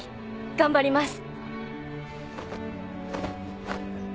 頑張ります。